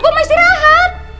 gue mau istirahat